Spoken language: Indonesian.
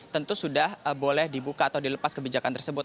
tentu sudah boleh dibuka atau dilepas kebijakan tersebut